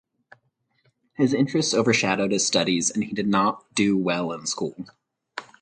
His interests overshadowed his studies and he did not do well in school.